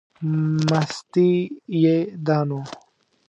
مستي یې ده نو.